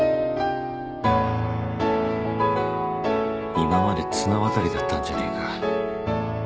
今まで綱渡りだったんじゃねえか